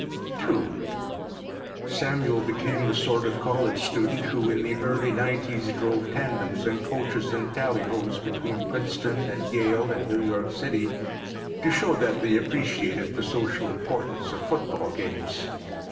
II Samuel became the sort of college student who in the early nineties drove tandems and coaches and tallyhos between Princeton and Yale and New York City to show that they appreciated the social importance of football games.